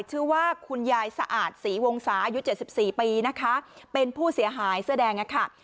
ชื่อว่าคุณยายสะอาดศรีวงศาอายุ๗๔ปีนะคะเป็นผู้เสียหายเสื้อแดงอะค่ะ